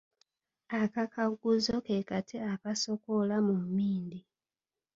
Okakaguzo ke kati akasokoola mu mmindi.